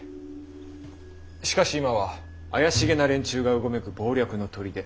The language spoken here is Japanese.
しかし今は怪しげな連中がうごめく謀略の砦なのでは？